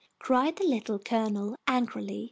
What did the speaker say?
cried the Little Colonel, angrily.